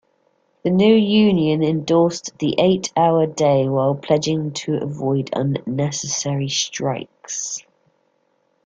The new union endorsed the eight-hour day while pledging to avoid unnecessary strikes.